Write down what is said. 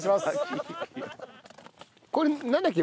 これなんだっけ？